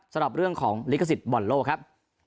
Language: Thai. สำหรับเรื่องของลิขสิทธิ์บอลโลกครับ